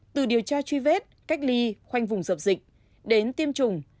từ điều tra truy vết cách ly khoanh vùng dập dịch đến tiêm chủng